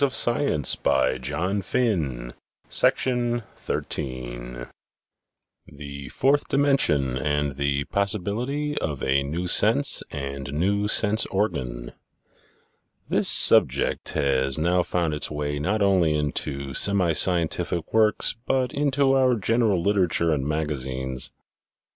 A SMALL BUDGET OF PARADOXES, ILLUSIONS, AND MARVELS THE FOURTH DIMENSION AND THE POSSI BILITY OF A NEW SENSE AND NEW SENSE ORGAN HIS subject has now found its way not only into semi scientific works but into our general litera ture and magazines.